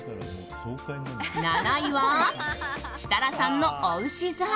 ７位は、設楽さんのおうし座。